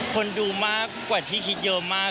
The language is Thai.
คนดูมากกว่าที่คิดเยอะมาก